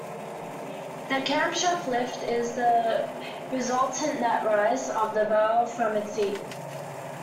The camshaft "lift" is the resultant net rise of the valve from its seat.